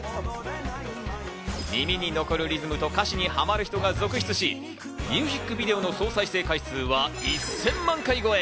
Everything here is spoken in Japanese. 耳に残るリズムと歌詞にハマる人が続出し、ミュージックビデオの総再生回数は１０００万回超え。